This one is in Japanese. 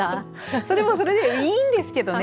それもそれでいいんですけどね。